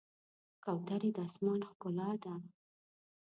کوترې د آسمان ښکلا ده.